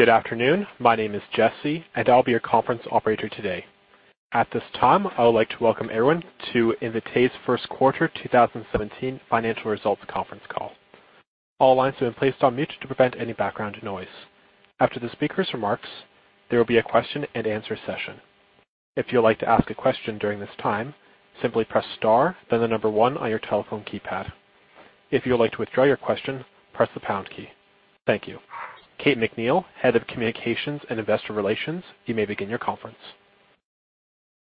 Good afternoon. My name is Jesse, and I'll be your conference operator today. At this time, I would like to welcome everyone to Invitae's first quarter 2017 financial results conference call. All lines have been placed on mute to prevent any background noise. After the speakers' remarks, there will be a question and answer session. If you would like to ask a question during this time, simply press star, then the number one on your telephone keypad. If you would like to withdraw your question, press the pound key. Thank you. Kate McNeil, head of communications and investor relations, you may begin your conference.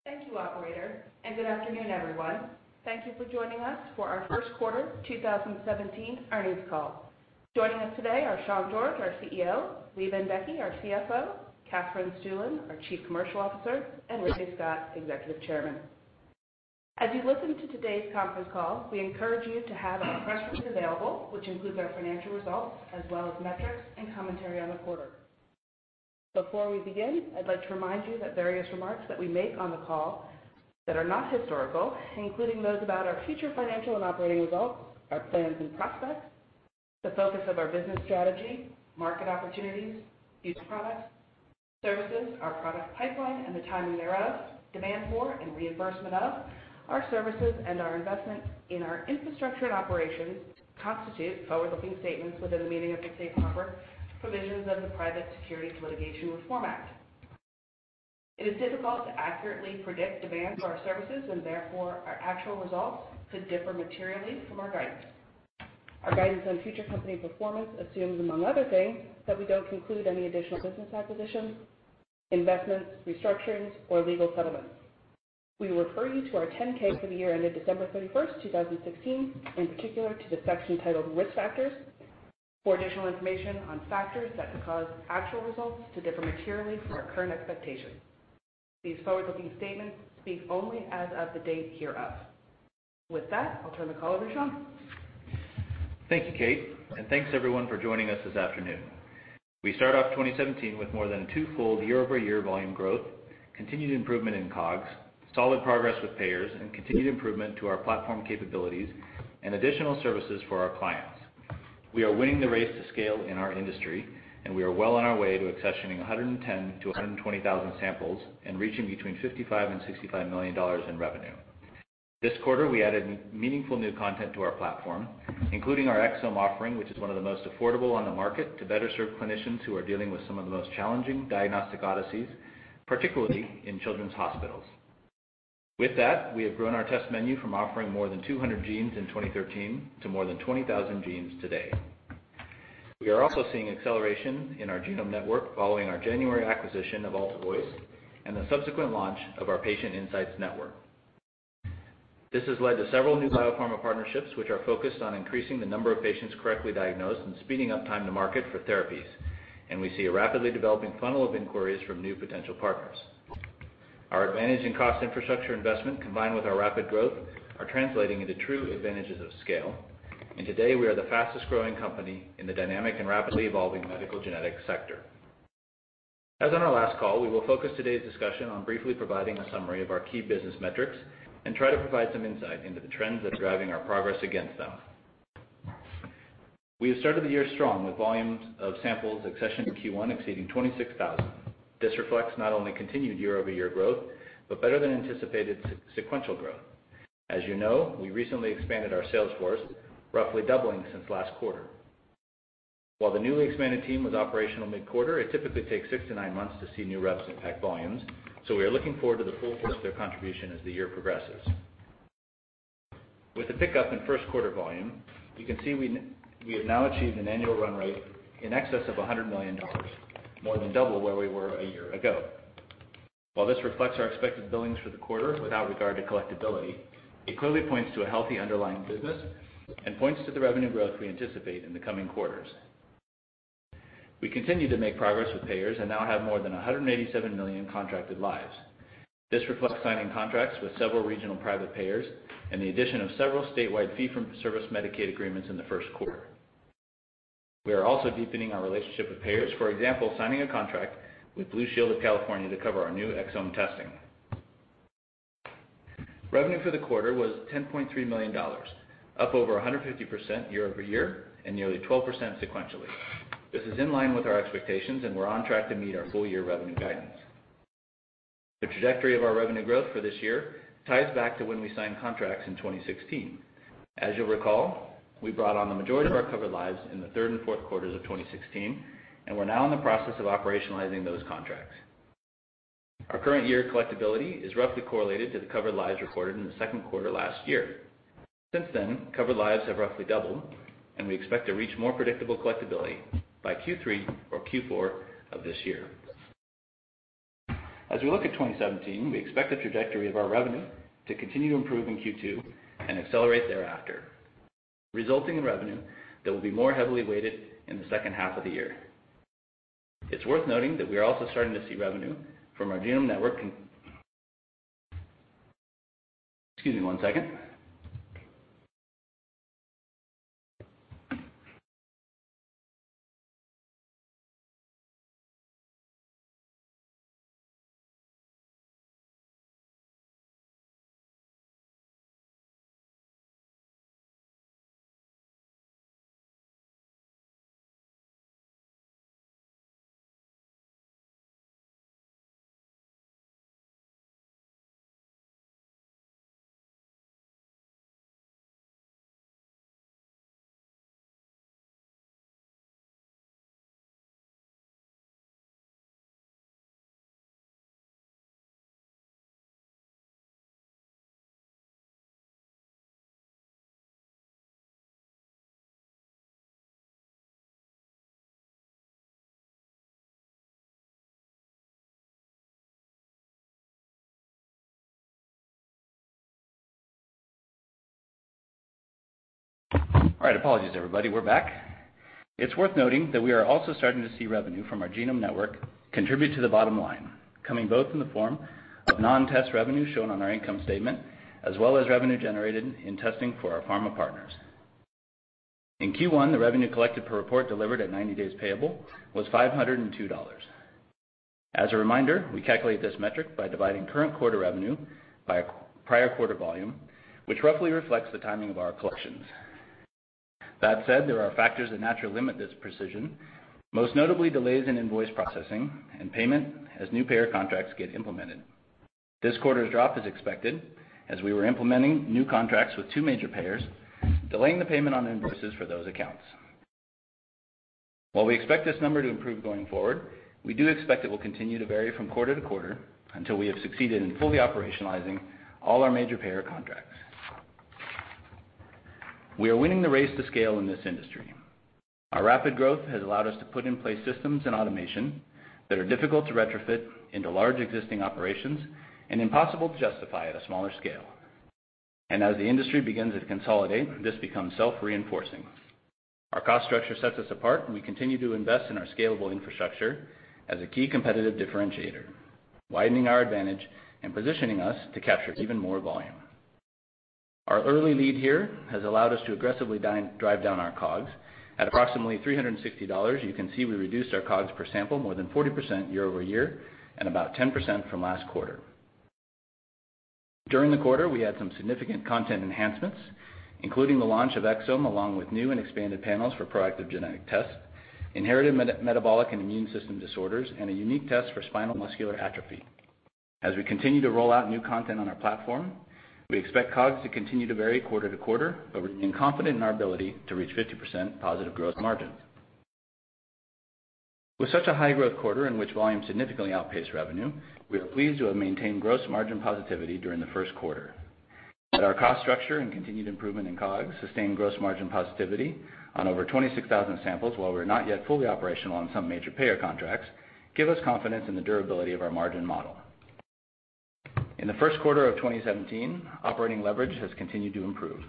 Thank you, operator. Good afternoon, everyone. Thank you for joining us for our first quarter 2017 earnings call. Joining us today are Sean George, our CEO, Lee Bendekgey, our CFO, Katherine Stueland, our Chief Commercial Officer, and Randy Scott, Executive Chairman. As you listen to today's conference call, we encourage you to have our press release available, which includes our financial results as well as metrics and commentary on the quarter. Before we begin, I'd like to remind you that various remarks that we make on the call that are not historical, including those about our future financial and operating results, our plans and prospects, the focus of our business strategy, market opportunities, new products, services, our product pipeline, and the timing thereof, demand for and reimbursement of our services and our investments in our infrastructure and operations, constitute forward-looking statements within the meaning of the safe harbor provisions of the Private Securities Litigation Reform Act. It is difficult to accurately predict demand for our services and therefore, our actual results could differ materially from our guidance. Our guidance on future company performance assumes, among other things, that we don't conclude any additional business acquisitions, investments, restructurings, or legal settlements. We refer you to our 10-K for the year ended December 31st, 2016, in particular to the section titled Risk Factors for additional information on factors that could cause actual results to differ materially from our current expectations. These forward-looking statements speak only as of the date hereof. With that, I'll turn the call over to Sean. Thank you, Kate, and thanks everyone for joining us this afternoon. We start off 2017 with more than a twofold year-over-year volume growth, continued improvement in COGS, solid progress with payers, and continued improvement to our platform capabilities and additional services for our clients. We are winning the race to scale in our industry, and we are well on our way to accessioning 110,000 to 120,000 samples and reaching between $55 million and $65 million in revenue. This quarter, we added meaningful new content to our platform, including our exome offering, which is one of the most affordable on the market to better serve clinicians who are dealing with some of the most challenging diagnostic odysseys, particularly in children's hospitals. With that, we have grown our test menu from offering more than 200 genes in 2013 to more than 20,000 genes today. We are also seeing acceleration in our Genome Network following our January acquisition of AltaVoice and the subsequent launch of our Patient Insights Network. This has led to several new biopharma partnerships, which are focused on increasing the number of patients correctly diagnosed and speeding up time to market for therapies. We see a rapidly developing funnel of inquiries from new potential partners. Our advantage in cost infrastructure investment, combined with our rapid growth, are translating into true advantages of scale. Today, we are the fastest-growing company in the dynamic and rapidly evolving medical genetics sector. As on our last call, we will focus today's discussion on briefly providing a summary of our key business metrics and try to provide some insight into the trends that are driving our progress against them. We have started the year strong with volumes of samples accessioned in Q1 exceeding 26,000. This reflects not only continued year-over-year growth, but better-than-anticipated sequential growth. As you know, we recently expanded our sales force, roughly doubling since last quarter. While the newly expanded team was operational mid-quarter, it typically takes six to nine months to see new reps impact volumes, so we are looking forward to the full force of their contribution as the year progresses. With the pickup in first quarter volume, you can see we have now achieved an annual run rate in excess of $100 million, more than double where we were a year ago. While this reflects our expected billings for the quarter without regard to collectability, it clearly points to a healthy underlying business and points to the revenue growth we anticipate in the coming quarters. We continue to make progress with payers and now have more than 187 million contracted lives. This reflects signing contracts with several regional private payers and the addition of several statewide fee-for-service Medicaid agreements in the first quarter. We are also deepening our relationship with payers. For example, signing a contract with Blue Shield of California to cover our new exome testing. Revenue for the quarter was $10.3 million, up over 150% year-over-year and nearly 12% sequentially. This is in line with our expectations, and we're on track to meet our full-year revenue guidance. The trajectory of our revenue growth for this year ties back to when we signed contracts in 2016. As you'll recall, we brought on the majority of our covered lives in the third and fourth quarters of 2016, and we're now in the process of operationalizing those contracts. Our current year collectability is roughly correlated to the covered lives recorded in the second quarter last year. Since then, covered lives have roughly doubled. We expect to reach more predictable collectability by Q3 or Q4 of this year. As we look at 2017, we expect the trajectory of our revenue to continue to improve in Q2 and accelerate thereafter, resulting in revenue that will be more heavily weighted in the second half of the year. It's worth noting that we are also starting to see revenue from our Genome Network contribute to the bottom line, coming both in the form of non-test revenue shown on our income statement, as well as revenue generated in testing for our pharma partners. In Q1, the revenue collected per report delivered at 90 days payable was $502. As a reminder, we calculate this metric by dividing current quarter revenue by prior quarter volume, which roughly reflects the timing of our collections. That said, there are factors that naturally limit this precision, most notably delays in invoice processing and payment as new payer contracts get implemented. This quarter's drop is expected as we were implementing new contracts with two major payers, delaying the payment on invoices for those accounts. While we expect this number to improve going forward, we do expect it will continue to vary from quarter to quarter until we have succeeded in fully operationalizing all our major payer contracts. We are winning the race to scale in this industry. Our rapid growth has allowed us to put in place systems and automation that are difficult to retrofit into large existing operations and impossible to justify at a smaller scale. As the industry begins to consolidate, this becomes self-reinforcing. Our cost structure sets us apart, and we continue to invest in our scalable infrastructure as a key competitive differentiator, widening our advantage and positioning us to capture even more volume. Our early lead here has allowed us to aggressively drive down our COGS. At approximately $360, you can see we reduced our COGS per sample more than 40% year-over-year and about 10% from last quarter. During the quarter, we had some significant content enhancements, including the launch of Exome, along with new and expanded panels for proactive genetic tests, inherited metabolic and immune system disorders, and a unique test for spinal muscular atrophy. As we continue to roll out new content on our platform, we expect COGS to continue to vary quarter to quarter, but we remain confident in our ability to reach 50% positive gross margins. With such a high growth quarter in which volume significantly outpaced revenue, we are pleased to have maintained gross margin positivity during the first quarter. That our cost structure and continued improvement in COGS sustained gross margin positivity on over 26,000 samples while we were not yet fully operational on some major payer contracts, give us confidence in the durability of our margin model. In the first quarter of 2017, operating leverage has continued to improve.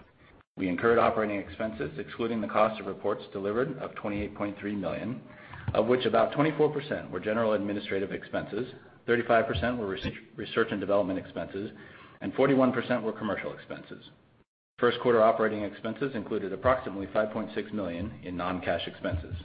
We incurred operating expenses, excluding the cost of reports delivered, of $28.3 million, of which about 24% were general administrative expenses, 35% were research and development expenses, and 41% were commercial expenses. First quarter operating expenses included approximately $5.6 million in non-cash expenses.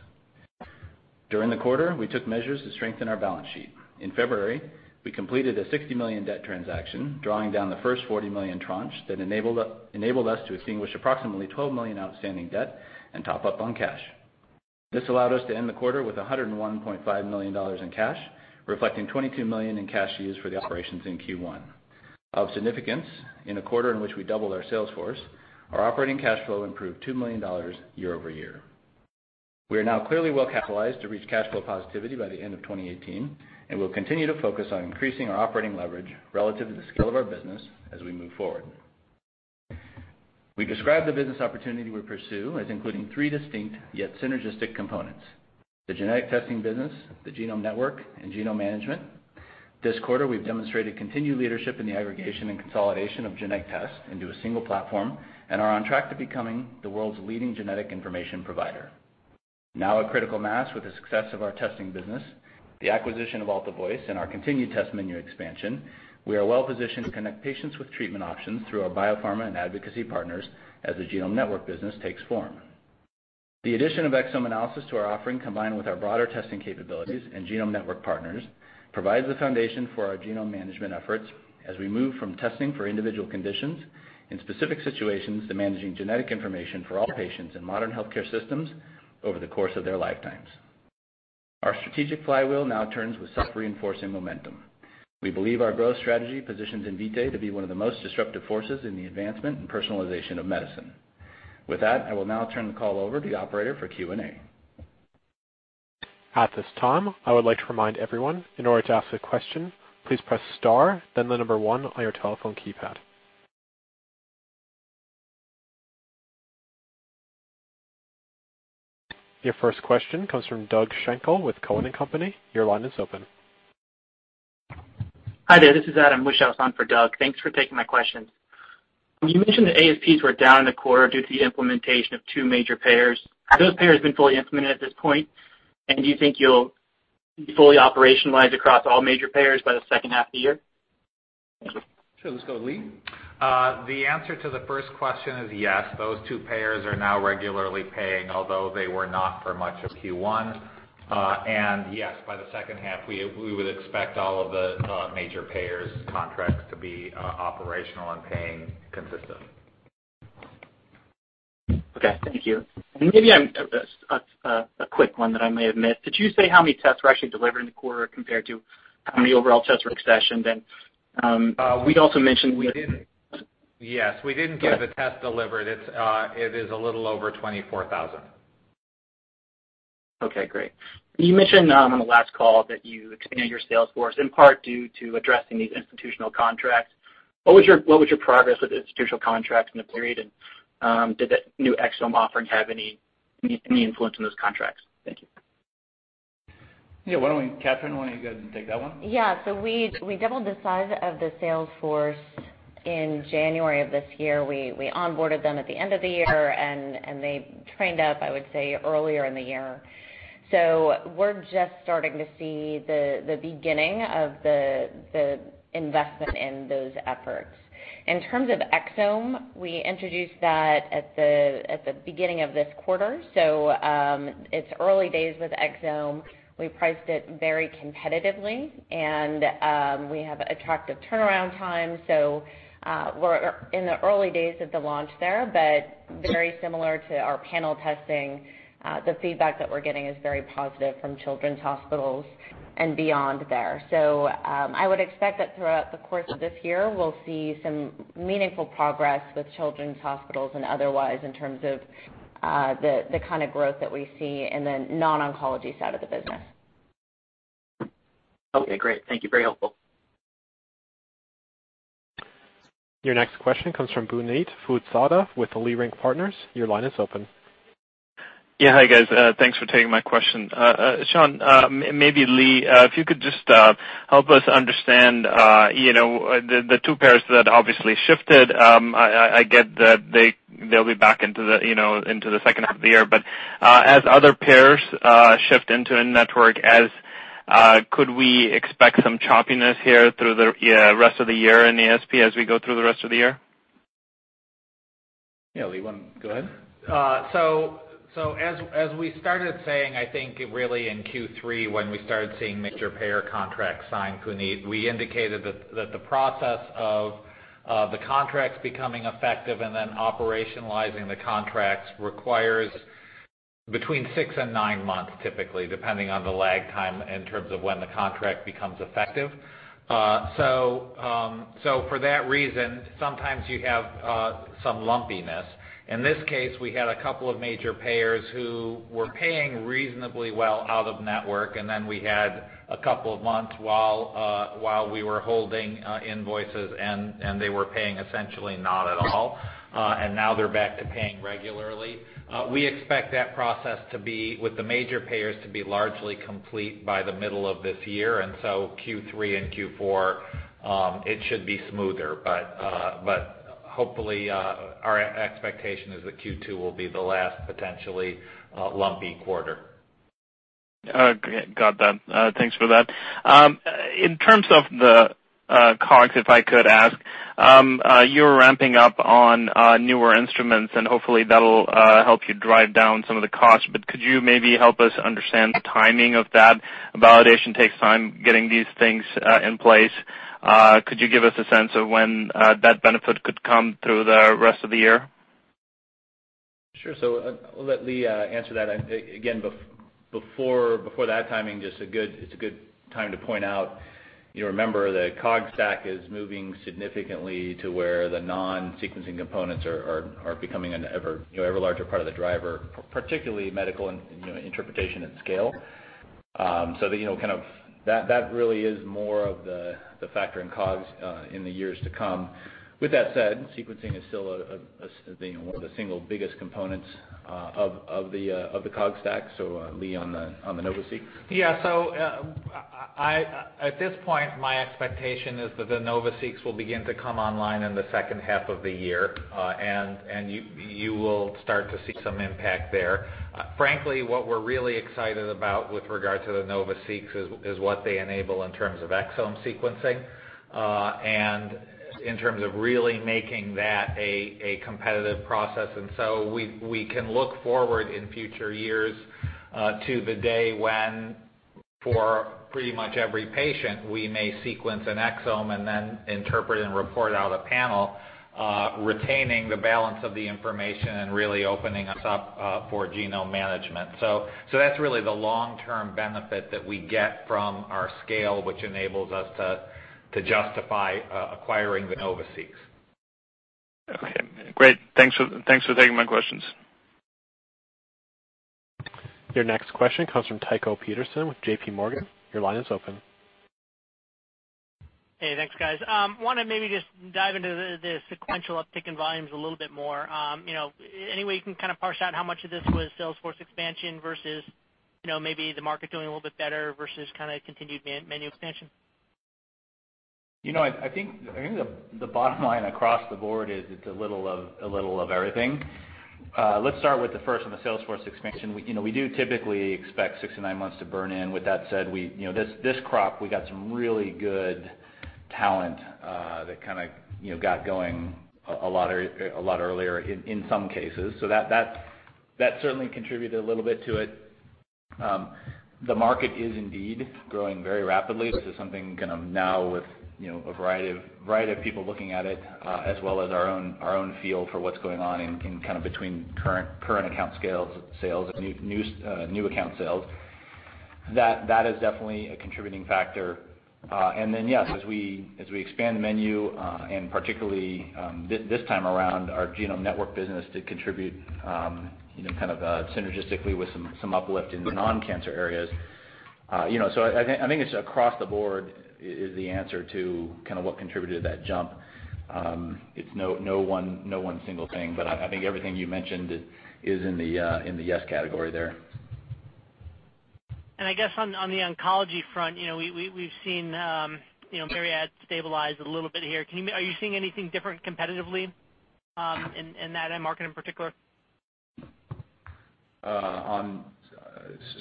During the quarter, we took measures to strengthen our balance sheet. In February, we completed a $60 million debt transaction, drawing down the first $40 million tranche that enabled us to extinguish approximately $12 million outstanding debt and top up on cash. This allowed us to end the quarter with $101.5 million in cash, reflecting $22 million in cash used for the operations in Q1. Of significance, in a quarter in which we doubled our sales force, our operating cash flow improved $2 million year-over-year. We are now clearly well-capitalized to reach cash flow positivity by the end of 2018, and we'll continue to focus on increasing our operating leverage relative to the scale of our business as we move forward. We describe the business opportunity we pursue as including three distinct yet synergistic components: the genetic testing business, the Genome Network, and genome management. This quarter, we've demonstrated continued leadership in the aggregation and consolidation of genetic tests into a single platform and are on track to becoming the world's leading genetic information provider. Now at critical mass with the success of our testing business, the acquisition of AltaVoice, and our continued test menu expansion, we are well positioned to connect patients with treatment options through our biopharma and advocacy partners as the Genome Network business takes form. The addition of exome analysis to our offering, combined with our broader testing capabilities and Genome Network partners, provides the foundation for our genome management efforts as we move from testing for individual conditions in specific situations to managing genetic information for all patients in modern healthcare systems over the course of their lifetimes. Our strategic flywheel now turns with self-reinforcing momentum. We believe our growth strategy positions Invitae to be one of the most disruptive forces in the advancement and personalization of medicine. With that, I will now turn the call over to the operator for Q&A. At this time, I would like to remind everyone, in order to ask a question, please press star, then the number one on your telephone keypad. Your first question comes from Doug Schenkel with Cowen and Company. Your line is open. Hi there, this is Adam Wieschhaus on for Doug. Thanks for taking my question. You mentioned the ASPs were down in the quarter due to the implementation of two major payers. Have those payers been fully implemented at this point? Do you think you'll be fully operationalized across all major payers by the second half of the year? Thank you. Sure. Let's go to Lee. The answer to the first question is yes. Those two payers are now regularly paying, although they were not for much of Q1. Yes, by the second half, we would expect all of the major payers' contracts to be operational and paying consistent. Okay, thank you. Maybe a quick one that I may have missed. Did you say how many tests were actually delivered in the quarter compared to how many overall tests were accessioned? We'd also mentioned. Yes. We didn't get the test delivered. It is a little over 24,000. Okay, great. You mentioned on the last call that you expanded your sales force in part due to addressing these institutional contracts. What was your progress with institutional contracts in the period? Did the new exome offering have any influence on those contracts? Thank you. Yeah, why don't we Katherine, why don't you go ahead and take that one? Yeah. We doubled the size of the sales force in January of this year. We onboarded them at the end of the year, they trained up, I would say, earlier in the year. We're just starting to see the beginning of the investment in those efforts. In terms of exome, we introduced that at the beginning of this quarter. It's early days with exome. We priced it very competitively and we have attractive turnaround time. We're in the early days of the launch there, very similar to our panel testing, the feedback that we're getting is very positive from children's hospitals and beyond there. I would expect that throughout the course of this year, we'll see some meaningful progress with children's hospitals and otherwise in terms of the kind of growth that we see in the non-oncology side of the business. Okay, great. Thank you. Very helpful. Your next question comes from Puneet Souda with the Leerink Partners. Your line is open. Yeah. Hi, guys. Thanks for taking my question. Sean, maybe Lee, if you could just help us understand, the two payers that obviously shifted, I get that they'll be back into the second half of the year. As other payers shift into a network Could we expect some choppiness here through the rest of the year in ASPs as we go through the rest of the year? Yeah, Lee, you want to go ahead? As we started saying, I think really in Q3 when we started seeing major payer contracts signed, Puneet, we indicated that the process of the contracts becoming effective and then operationalizing the contracts requires between six and nine months, typically, depending on the lag time in terms of when the contract becomes effective. For that reason, sometimes you have some lumpiness. In this case, we had a couple of major payers who were paying reasonably well out of network, and then we had a couple of months while we were holding invoices and they were paying essentially not at all. Now they're back to paying regularly. We expect that process with the major payers to be largely complete by the middle of this year. So Q3 and Q4, it should be smoother. Hopefully, our expectation is that Q2 will be the last potentially lumpy quarter. Okay, got that. Thanks for that. In terms of the COGS, if I could ask, you're ramping up on newer instruments, and hopefully, that'll help you drive down some of the costs. Could you maybe help us understand the timing of that? Validation takes time getting these things in place. Could you give us a sense of when that benefit could come through the rest of the year? Sure. I'll let Lee answer that. Again, before that timing, just it's a good time to point out, remember the COGS stack is moving significantly to where the non-sequencing components are becoming an ever larger part of the driver, particularly medical interpretation at scale. That really is more of the factor in COGS in the years to come. With that said, sequencing is still one of the single biggest components of the COGS stack. Lee, on the NovaSeq. Yeah. At this point, my expectation is that the NovaSeqs will begin to come online in the second half of the year. You will start to see some impact there. Frankly, what we're really excited about with regard to the NovaSeqs is what they enable in terms of exome sequencing, and in terms of really making that a competitive process. We can look forward in future years, to the day when, for pretty much every patient, we may sequence an exome and then interpret and report out a panel, retaining the balance of the information and really opening us up for genome management. That's really the long-term benefit that we get from our scale, which enables us to justify acquiring the NovaSeqs. Okay, great. Thanks for taking my questions. Your next question comes from Tycho Peterson with J.P. Morgan. Your line is open. Hey, thanks, guys. Want to maybe just dive into the sequential uptick in volumes a little bit more. Any way you can kind of parse out how much of this was sales force expansion versus maybe the market doing a little bit better versus kind of continued menu expansion? I think the bottom line across the board is it's a little of everything. Let's start with the first one, the sales force expansion. We do typically expect six to nine months to burn in. With that said, this crop, we got some really good talent that kind of got going a lot earlier in some cases. That certainly contributed a little bit to it. The market is indeed growing very rapidly. This is something now with a variety of people looking at it, as well as our own feel for what's going on in between current account sales and new account sales. That is definitely a contributing factor. Yes, as we expand the menu, and particularly, this time around, our Genome Network business did contribute synergistically with some uplift in the non-cancer areas. I think it's across the board is the answer to what contributed to that jump. It's no one single thing, but I think everything you mentioned is in the yes category there. I guess on the oncology front, we've seen Myriad add stabilize a little bit here. Are you seeing anything different competitively in that end market in particular?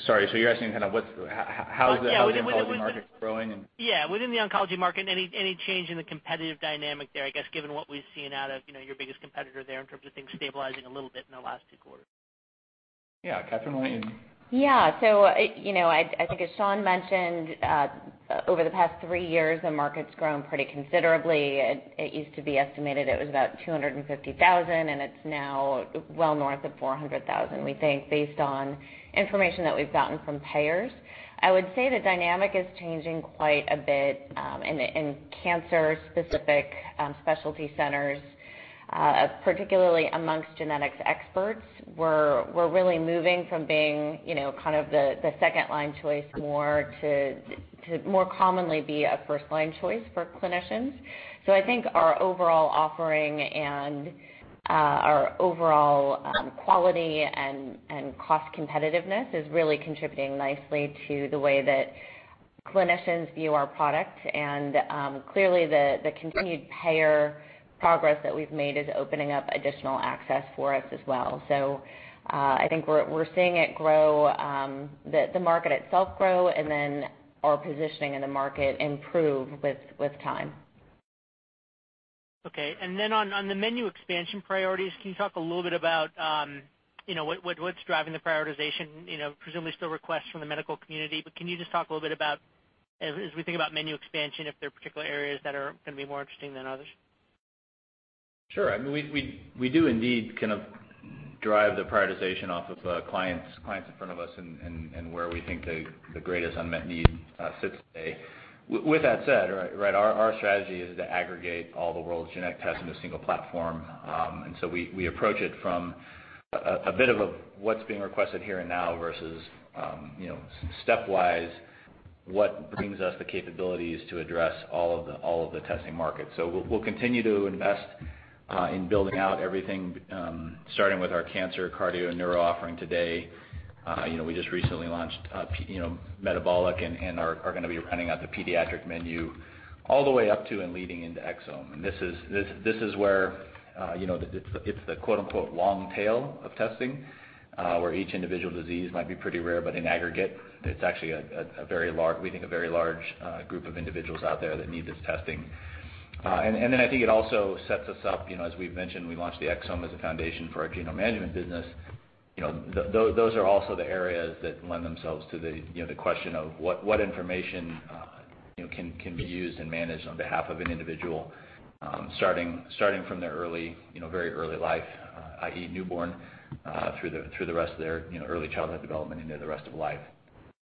Sorry, you're asking how's the oncology market growing? Yeah. Within the oncology market, any change in the competitive dynamic there, I guess, given what we've seen out of your biggest competitor there in terms of things stabilizing a little bit in the last two quarters? Yeah. Katherine, why don't you? Yeah. As Sean mentioned, over the past 3 years, the market's grown pretty considerably. It used to be estimated it was about $250,000, and it's now well north of $400,000, we think, based on information that we've gotten from payers. I would say the dynamic is changing quite a bit in cancer-specific specialty centers, particularly amongst genetics experts. We're really moving from being the second-line choice more to more commonly be a first-line choice for clinicians. I think our overall offering and our overall quality and cost competitiveness is really contributing nicely to the way that clinicians view our product. Clearly, the continued payer progress that we've made is opening up additional access for us as well. I think we're seeing the market itself grow, and then our positioning in the market improve with time. Okay. On the menu expansion priorities, can you talk a little bit about what's driving the prioritization? Presumably still requests from the medical community, but can you just talk a little bit about, as we think about menu expansion, if there are particular areas that are going to be more interesting than others? Sure. We do indeed drive the prioritization off of clients in front of us and where we think the greatest unmet need sits today. With that said, our strategy is to aggregate all the world's genetic tests into a single platform. We approach it from a bit of a what's being requested here and now versus, step wise, what brings us the capabilities to address all of the testing markets. We'll continue to invest in building out everything, starting with our cancer, cardio, and neuro offering today. We just recently launched metabolic and are going to be rounding out the pediatric menu all the way up to and leading into exome. This is where, it's the quote unquote long tail of testing, where each individual disease might be pretty rare, but in aggregate, it's actually, we think, a very large group of individuals out there that need this testing. I think it also sets us up, as we've mentioned, we launched the exome as a foundation for our genome management business. Those are also the areas that lend themselves to the question of what information can be used and managed on behalf of an individual, starting from their very early life, i.e. newborn, through the rest of their early childhood development into the rest of life.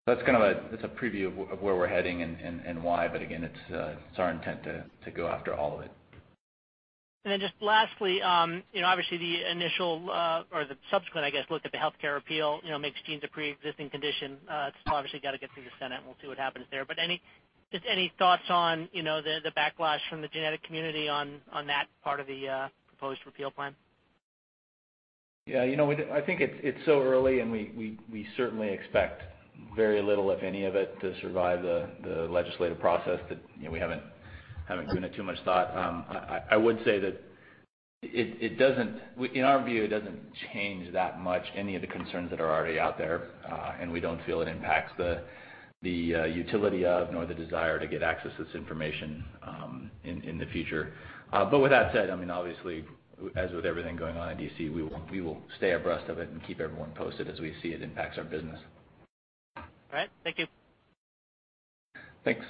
That's a preview of where we're heading and why, again, it's our intent to go after all of it. Just lastly, obviously the initial or the subsequent, I guess, look at the healthcare appeal, makes genes a preexisting condition. It's still obviously got to get through the Senate, and we'll see what happens there. Just any thoughts on the backlash from the genetic community on that part of the proposed repeal plan? Yeah. I think it's so early, we certainly expect very little, if any of it, to survive the legislative process that we haven't given it too much thought. I would say that in our view, it doesn't change that much, any of the concerns that are already out there. We don't feel it impacts the utility of, nor the desire to get access to this information in the future. With that said, obviously, as with everything going on in D.C., we will stay abreast of it and keep everyone posted as we see it impacts our business. All right. Thank you. Thanks.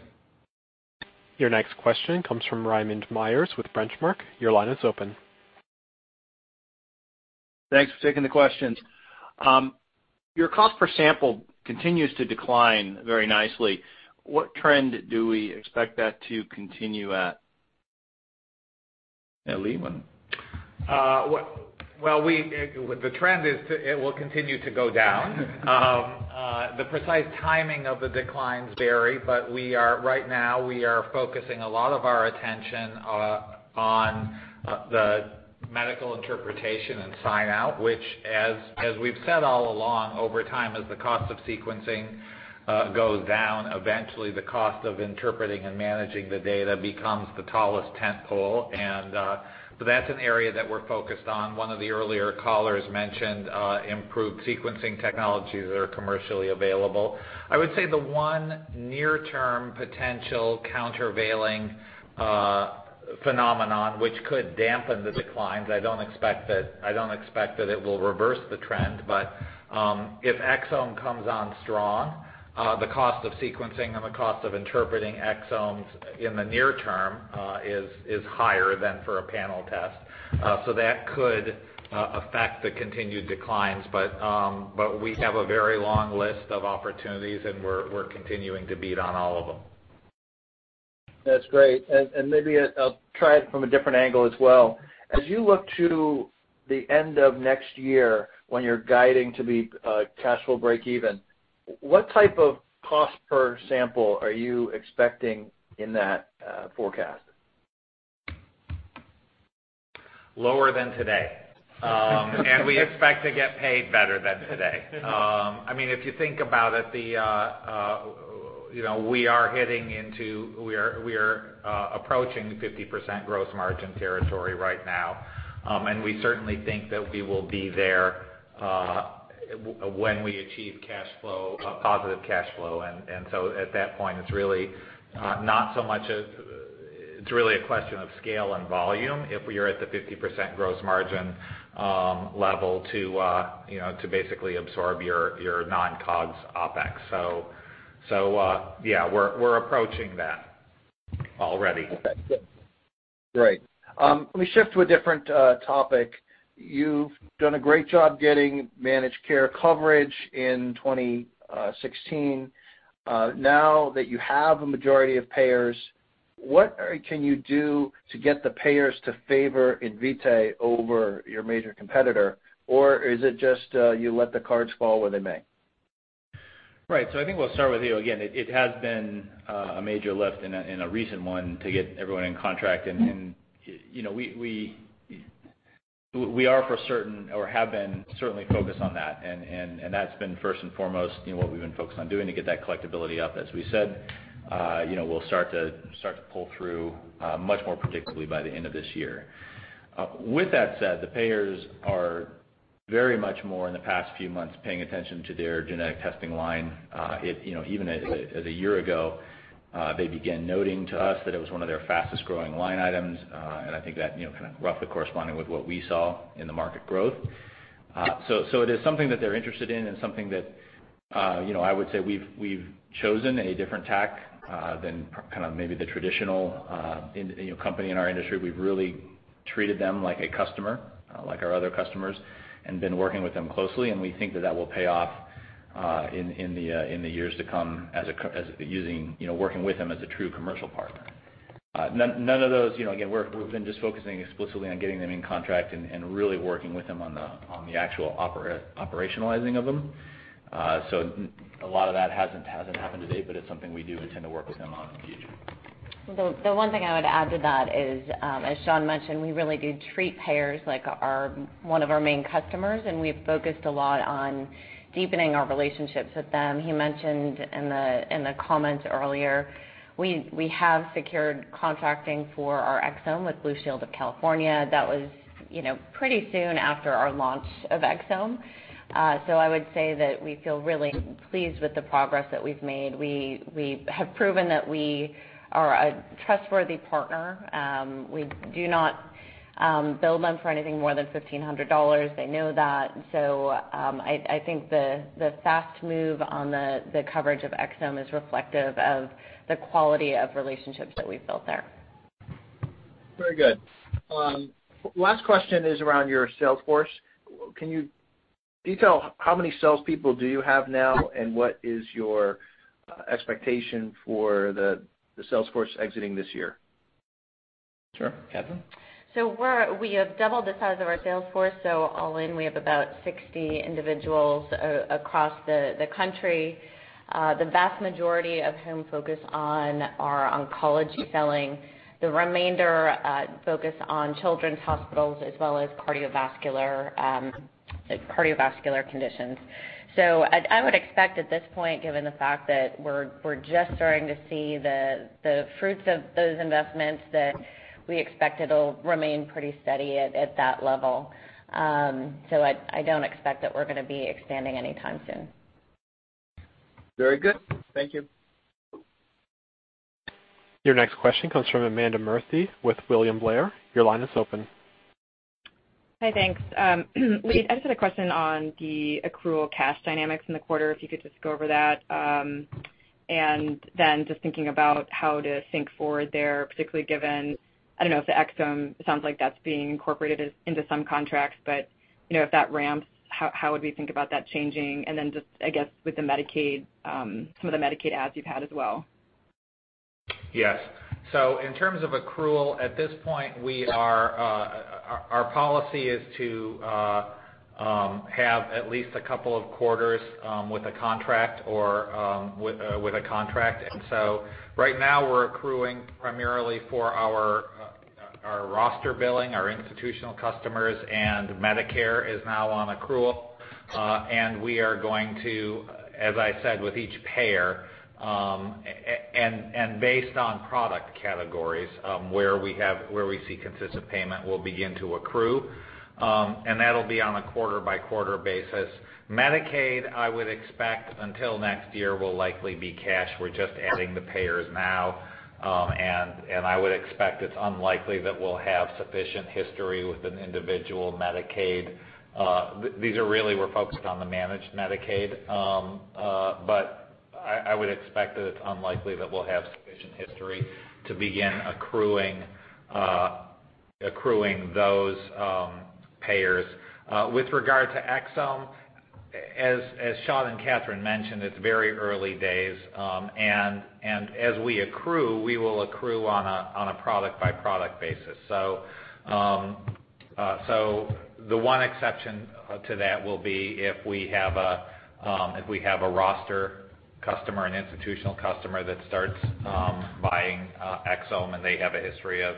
Your next question comes from Raymond Myers with Benchmark. Your line is open. Thanks for taking the questions. Your cost per sample continues to decline very nicely. What trend do we expect that to continue at? Lee? Well, the trend is it will continue to go down. The precise timing of the declines vary, but right now we are focusing a lot of our attention on the medical interpretation and sign-out, which, as we've said all along, over time, as the cost of sequencing goes down, eventually the cost of interpreting and managing the data becomes the tallest tent pole. That's an area that we're focused on. One of the earlier callers mentioned improved sequencing technologies that are commercially available. I would say the one near-term potential countervailing Phenomenon which could dampen the declines. I don't expect that it will reverse the trend, but if exome comes on strong, the cost of sequencing and the cost of interpreting exomes in the near term is higher than for a panel test. That could affect the continued declines, but we have a very long list of opportunities, and we're continuing to beat on all of them. That's great. Maybe I'll try it from a different angle as well. As you look to the end of next year, when you're guiding to be cash flow breakeven, what type of cost per sample are you expecting in that forecast? Lower than today. We expect to get paid better than today. If you think about it, we are approaching 50% gross margin territory right now. We certainly think that we will be there when we achieve positive cash flow. At that point, it's really a question of scale and volume if you're at the 50% gross margin level to basically absorb your non-COGS OpEx. Yeah, we're approaching that already. Okay, great. Let me shift to a different topic. You've done a great job getting managed care coverage in 2016. Now that you have a majority of payers, what can you do to get the payers to favor Invitae over your major competitor? Is it just you let the cards fall where they may? Right. I think we'll start with you. Again, it has been a major lift and a recent one to get everyone in contract. We are for certain or have been certainly focused on that. That's been first and foremost, what we've been focused on doing to get that collectibility up. As we said, we'll start to pull through much more predictably by the end of this year. With that said, the payers are very much more, in the past few months, paying attention to their genetic testing line. Even as of a year ago, they began noting to us that it was one of their fastest-growing line items, and I think that roughly corresponding with what we saw in the market growth. It is something that they're interested in and something that I would say we've chosen a different tack than maybe the traditional company in our industry. We've really treated them like a customer, like our other customers, and been working with them closely, and we think that that will pay off in the years to come, working with them as a true commercial partner. Again, we've been just focusing explicitly on getting them in contract and really working with them on the actual operationalizing of them. A lot of that hasn't happened to date, but it's something we do intend to work with them on in the future. The one thing I would add to that is, as Sean mentioned, we really do treat payers like one of our main customers, and we've focused a lot on deepening our relationships with them. He mentioned in the comments earlier, we have secured contracting for our exome with Blue Shield of California. That was pretty soon after our launch of exome. I would say that we feel really pleased with the progress that we've made. We have proven that we are a trustworthy partner. We do not bill them for anything more than $1,500. They know that. I think the fast move on the coverage of exome is reflective of the quality of relationships that we've built there. Very good. Last question is around your sales force. Can you detail how many salespeople do you have now, and what is your expectation for the sales force exiting this year? Sure. Katherine? We have doubled the size of our sales force. All in, we have about 60 individuals across the country. The vast majority of whom focus on our oncology selling. The remainder focus on children's hospitals as well as cardiovascular conditions. I would expect at this point, given the fact that we're just starting to see the fruits of those investments, that we expect it'll remain pretty steady at that level. I don't expect that we're going to be expanding anytime soon. Very good. Thank you. Your next question comes from Amanda Murphy with William Blair. Your line is open. Hi, thanks. Lee, I just had a question on the accrual cash dynamics in the quarter, if you could just go over that. Thinking about how to think forward there, particularly given, I don't know if the exome, it sounds like that's being incorporated into some contracts, but if that ramps, how would we think about that changing? I guess with some of the Medicaid adds you've had as well. Yes. In terms of accrual, at this point our policy is to have at least a couple of quarters with a contract. Right now we're accruing primarily for our roster billing, our institutional customers, and Medicare is now on accrual. We are going to, as I said, with each payer, and based on product categories, where we see consistent payment, we'll begin to accrue. That'll be on a quarter-by-quarter basis. Medicaid, I would expect, until next year, will likely be cash. We're just adding the payers now. I would expect it's unlikely that we'll have sufficient history with an individual Medicaid. These are really, we're focused on the managed Medicaid. I would expect that it's unlikely that we'll have sufficient history to begin accruing those payers. With regard to exome, as Sean and Katherine mentioned, it's very early days. As we accrue, we will accrue on a product-by-product basis. The one exception to that will be if we have a roster customer, an institutional customer that starts buying exome and they have a history of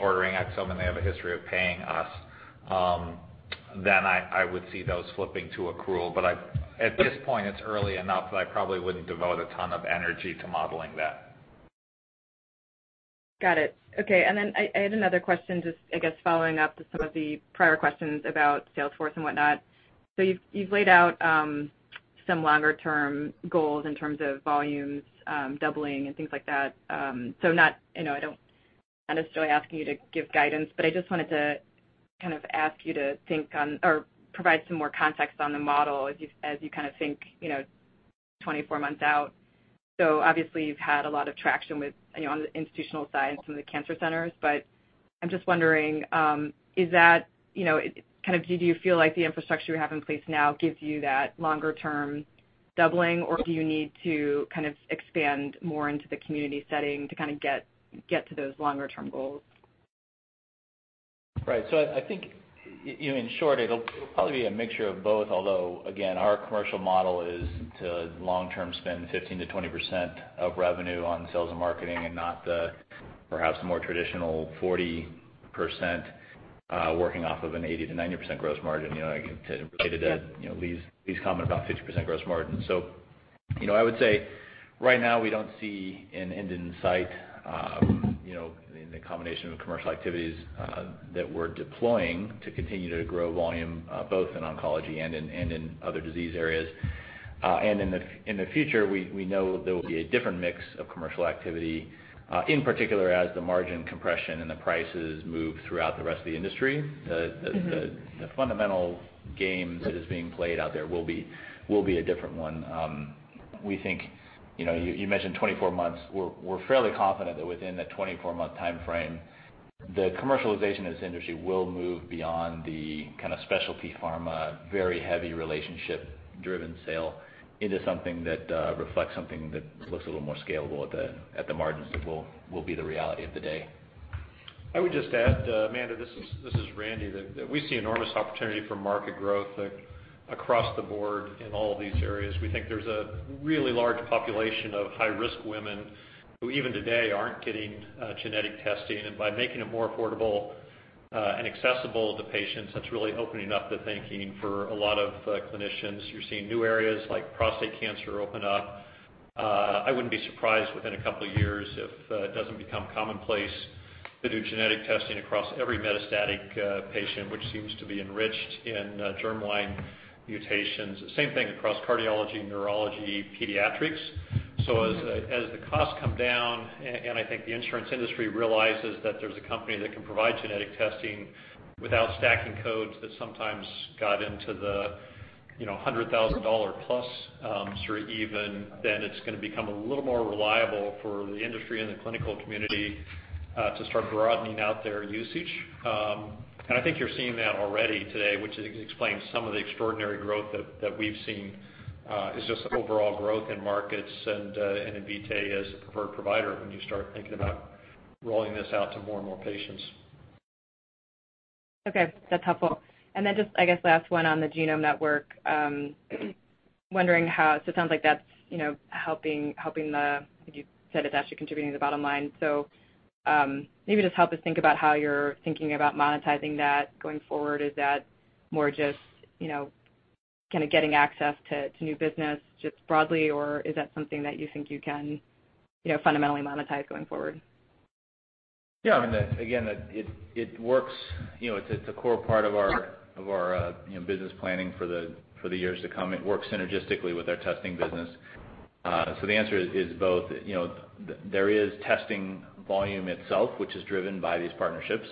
ordering exome, and they have a history of paying us, then I would see those flipping to accrual. At this point, it's early enough that I probably wouldn't devote a ton of energy to modeling that. Got it. I had another question just, I guess following up to some of the prior questions about Salesforce and whatnot. You've laid out some longer-term goals in terms of volumes doubling and things like that. I'm not necessarily asking you to give guidance, but I just wanted to kind of ask you to think on or provide some more context on the model as you kind of think 24 months out. Obviously you've had a lot of traction on the institutional side, some of the cancer centers, but I'm just wondering, do you feel like the infrastructure you have in place now gives you that longer-term doubling, or do you need to kind of expand more into the community setting to kind of get to those longer-term goals? Right. I think, in short, it'll probably be a mixture of both, although, again, our commercial model is to long-term spend 15%-20% of revenue on sales and marketing and not the perhaps more traditional 40%, working off of an 80%-90% gross margin. Related to Lee's comment about 50% gross margin. I would say right now we don't see an end in sight in the combination of commercial activities that we're deploying to continue to grow volume, both in oncology and in other disease areas. In the future, we know there will be a different mix of commercial activity, in particular as the margin compression and the prices move throughout the rest of the industry. The fundamental game that is being played out there will be a different one. You mentioned 24 months. We're fairly confident that within that 24-month timeframe, the commercialization of this industry will move beyond the kind of specialty pharma, very heavy relationship driven sale into something that reflects something that looks a little more scalable at the margins that will be the reality of the day. I would just add, Amanda, this is Randy, that we see enormous opportunity for market growth across the board in all of these areas. We think there's a really large population of high-risk women who even today aren't getting genetic testing. And by making it more affordable and accessible to patients, that's really opening up the thinking for a lot of clinicians. You're seeing new areas like prostate cancer open up. I wouldn't be surprised within a couple of years if it doesn't become commonplace to do genetic testing across every metastatic patient, which seems to be enriched in germline mutations. Same thing across cardiology, neurology, pediatrics. As the costs come down, and I think the insurance industry realizes that there's a company that can provide genetic testing without stacking codes that sometimes got into the $100,000 plus or even, then it's going to become a little more reliable for the industry and the clinical community to start broadening out their usage. And I think you're seeing that already today, which explains some of the extraordinary growth that we've seen is just the overall growth in markets and Invitae as the preferred provider when you start thinking about rolling this out to more and more patients. Okay. That's helpful. And then just, I guess last one on the Genome Network. So it sounds like that's helping the You said it's actually contributing to the bottom line. So, maybe just help us think about how you're thinking about monetizing that going forward. Is that more just kind of getting access to new business just broadly, or is that something that you think you can fundamentally monetize going forward? I mean, again, it's a core part of our business planning for the years to come. It works synergistically with our testing business. So the answer is both. There is testing volume itself, which is driven by these partnerships,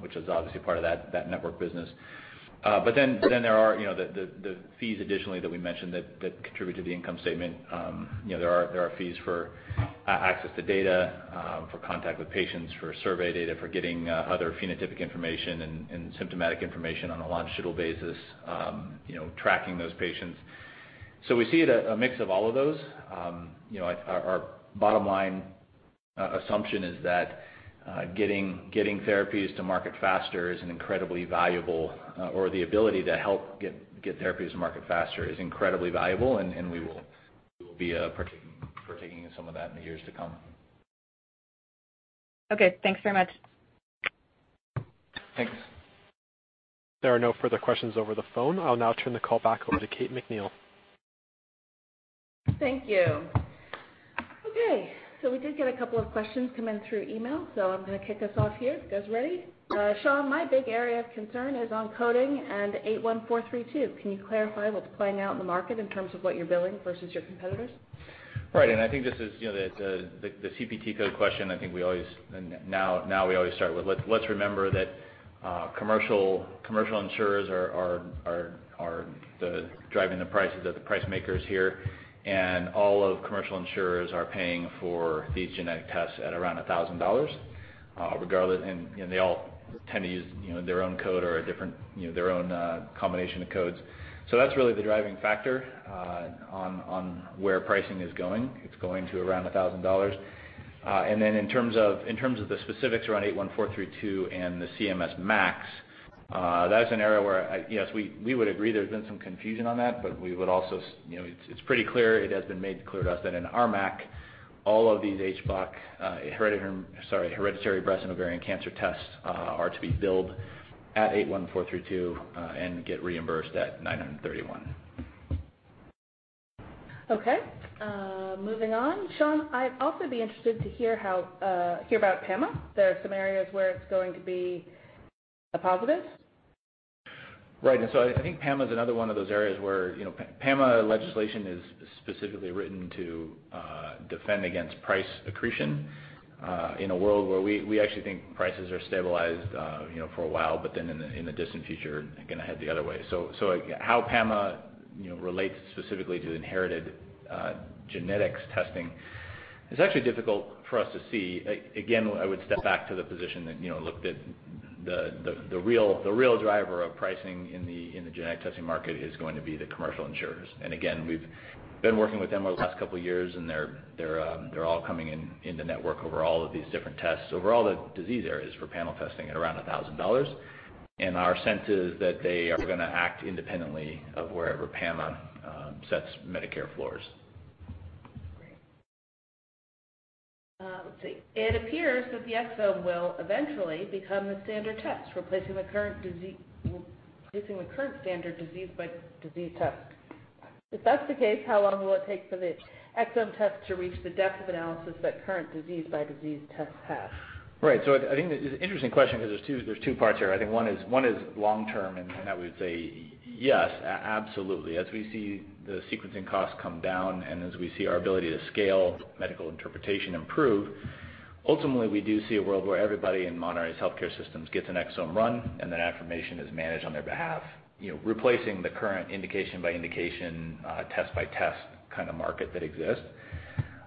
which is obviously part of that network business. But then there are the fees additionally that we mentioned that contribute to the income statement. There are fees for access to data, for contact with patients, for survey data, for getting other phenotypic information and symptomatic information on a longitudinal basis, tracking those patients. So we see it a mix of all of those. Our bottom line assumption is that getting therapies to market faster is an incredibly valuable or the ability to help get therapies to market faster is incredibly valuable, and we will be partaking in some of that in the years to come. Okay, thanks very much. Thanks. There are no further questions over the phone. I'll now turn the call back over to Kate McNeil. Thank you. Okay, we did get a couple of questions come in through email, I'm going to kick us off here. You guys ready? Sean, my big area of concern is on coding and 81432. Can you clarify what's playing out in the market in terms of what you're billing versus your competitors? Right. I think this is the CPT code question I think we always start with. Let's remember that commercial insurers are driving the prices, are the price makers here, and all of commercial insurers are paying for these genetic tests at around $1,000. They all tend to use their own code or their own combination of codes. That's really the driving factor on where pricing is going. It's going to around $1,000. In terms of the specifics around 81432 and the CMS MAC, that's an area where we would agree there's been some confusion on that, but it's pretty clear, it has been made clear to us that in our MAC, all of these HBOC, hereditary breast and ovarian cancer tests are to be billed at 81432, and get reimbursed at $931. Okay. Moving on. Sean, I'd also be interested to hear about PAMA. There are some areas where it's going to be a positive. Right. I think PAMA is another one of those areas where PAMA legislation is specifically written to defend against price accretion, in a world where we actually think prices are stabilized for a while, but then in the distant future, are going to head the other way. How PAMA relates specifically to inherited genetics testing is actually difficult for us to see. Again, I would step back to the position that looked at the real driver of pricing in the genetic testing market is going to be the commercial insurers. We've been working with them over the last couple of years, and they're all coming in the network over all of these different tests, over all the disease areas for panel testing at around $1,000. Our sense is that they are going to act independently of wherever PAMA sets Medicare floors. Great. Let's see. It appears that the exome will eventually become the standard test, replacing the current standard disease by disease test. If that's the case, how long will it take for the exome test to reach the depth of analysis that current disease by disease tests have? Right. I think it's an interesting question because there's two parts here. I think one is long-term, and that we'd say yes, absolutely. As we see the sequencing costs come down, and as we see our ability to scale medical interpretation improve, ultimately, we do see a world where everybody in modernized healthcare systems gets an exome run, and that affirmation is managed on their behalf. Replacing the current indication by indication, test by test kind of market that exists.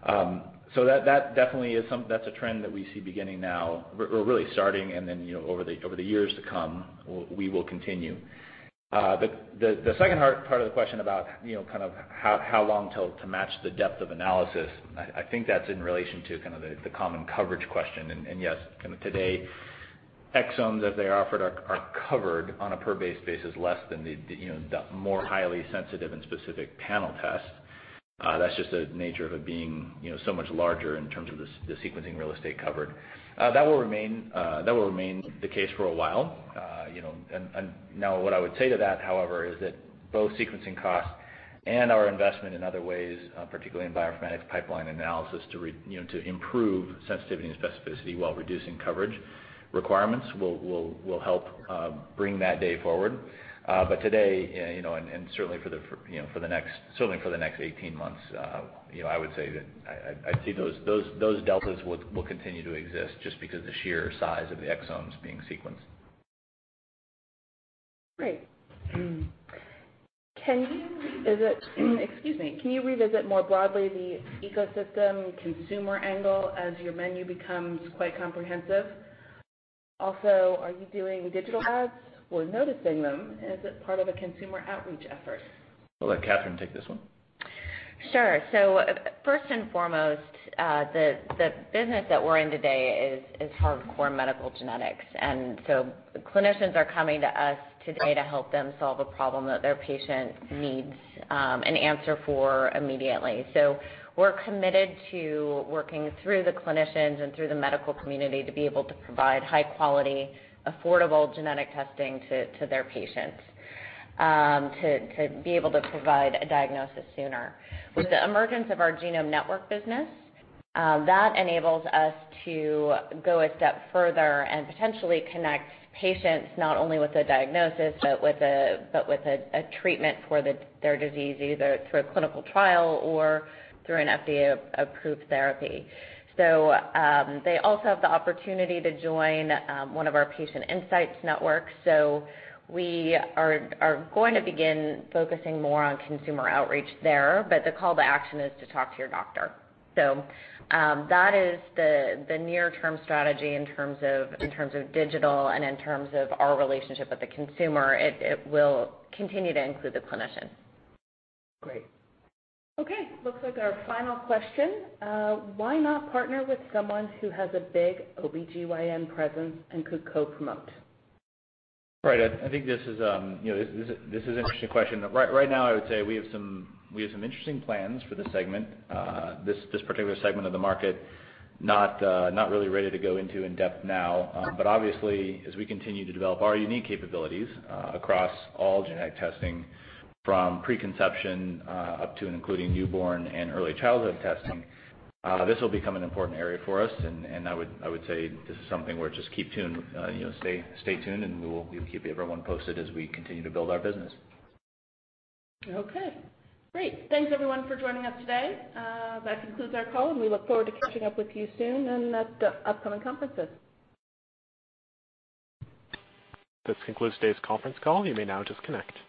That definitely is a trend that we see beginning now, or really starting, and then over the years to come, we will continue. The second part of the question about how long till to match the depth of analysis, I think that's in relation to the common coverage question. Yes, today exomes, as they are offered, are covered on a per-base basis less than the more highly sensitive and specific panel tests. That's just the nature of it being so much larger in terms of the sequencing real estate covered. That will remain the case for a while. What I would say to that, however, is that both sequencing costs and our investment in other ways, particularly in bioinformatics pipeline analysis to improve sensitivity and specificity while reducing coverage requirements will help bring that day forward. Today, and certainly for the next 18 months, I would say that I see those deltas will continue to exist just because of the sheer size of the exomes being sequenced. Great. Excuse me. Can you revisit more broadly the ecosystem consumer angle as your menu becomes quite comprehensive? Are you doing digital ads? We're noticing them. Is it part of a consumer outreach effort? I'll let Katherine take this one. First and foremost, the business that we're in today is hardcore medical genetics. Clinicians are coming to us today to help them solve a problem that their patient needs an answer for immediately. We're committed to working through the clinicians and through the medical community to be able to provide high quality, affordable genetic testing to their patients, to be able to provide a diagnosis sooner. With the emergence of our Genome Network business, that enables us to go a step further and potentially connect patients not only with a diagnosis, but with a treatment for their disease, either through a clinical trial or through an FDA-approved therapy. They also have the opportunity to join one of our Patient Insights Networks. We are going to begin focusing more on consumer outreach there, but the call to action is to talk to your doctor. That is the near-term strategy in terms of digital and in terms of our relationship with the consumer. It will continue to include the clinician. Great. Okay. Looks like our final question. Why not partner with someone who has a big OBGYN presence and could co-promote? Right. I think this is an interesting question. Right now, I would say we have some interesting plans for this segment, this particular segment of the market. Not really ready to go into in-depth now. Obviously, as we continue to develop our unique capabilities across all genetic testing from preconception up to and including newborn and early childhood testing, this will become an important area for us. I would say this is something where just keep tuned. Stay tuned, and we will keep everyone posted as we continue to build our business. Okay, great. Thanks, everyone, for joining us today. That concludes our call, and we look forward to catching up with you soon and at the upcoming conferences. This concludes today's conference call. You may now disconnect.